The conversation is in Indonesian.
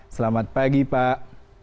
selamat pagi pak